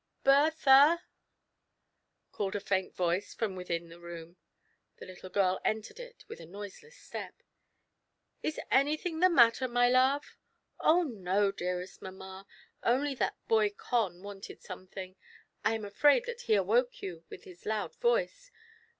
" Bertha !" called a feint voice from within the room. The little girl entered it with a noiseless step. " Is any thing the matter, my love ?"" Oh no, dearest mamma ; only that boy Gon wanted something. I am afraid that he awoke you with his loud voice.